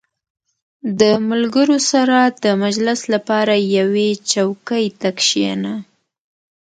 • د ملګرو سره د مجلس لپاره یوې چوکۍ ته کښېنه.